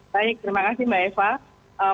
baik terima kasih mbak eva